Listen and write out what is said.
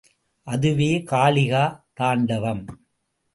அதுவே காளிகா தாண்டவம்.